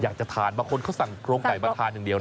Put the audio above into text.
อยากจะทานบางคนเขาสั่งกรงไก่มาทานอย่างเดียว